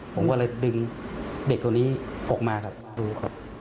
ผมก็เลยดึงเด็กตัวนี้ออกมาครับดูครับ